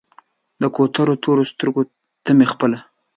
د کوترو تورو سترګو ته مې خپله